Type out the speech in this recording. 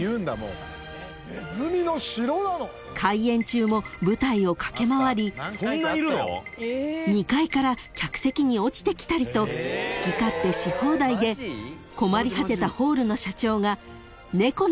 ［開演中も舞台を駆け回り２階から客席に落ちてきたりと好き勝手し放題で困り果てたホールの社長が］